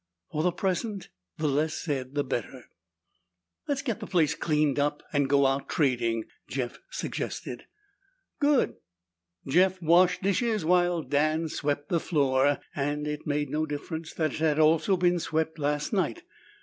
For the present, the less said the better. "Let's get the place cleaned up and go out trading," Jeff suggested. "Good!" Jeff washed dishes while Dan swept the floor, and it made no difference that it had also been swept last night.